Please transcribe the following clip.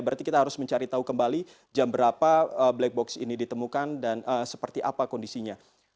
berarti kita harus mencari tahu kembali jam berapa black box ini ditemukan dan seperti apa kondisinya